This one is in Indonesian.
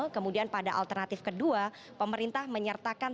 kemudian pada alternatif kedua pemerintah menyertakan